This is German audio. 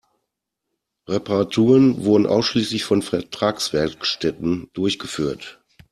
Reparaturen wurden ausschließlich von Vertragswerkstätten durchgeführt.